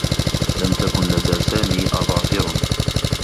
لم تكن لدى سامي أظافر.